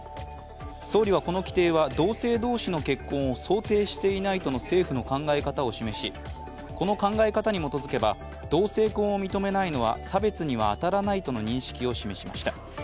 総理は、この規定は同性同士の結婚を想定していないとの政府の考え方を示し、この考え方に基づけば、同性婚を認めないのは差別には当たらないとの認識を示しました。